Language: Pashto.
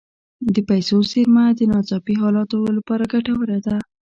د پیسو زیرمه د ناڅاپي حالاتو لپاره ګټوره ده.